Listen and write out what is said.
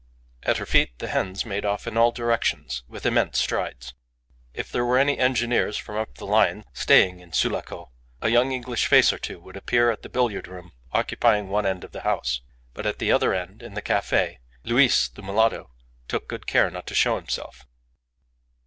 At her feet the hens made off in all directions, with immense strides; if there were any engineers from up the line staying in Sulaco, a young English face or two would appear at the billiard room occupying one end of the house; but at the other end, in the cafe, Luis, the mulatto, took good care not to show himself.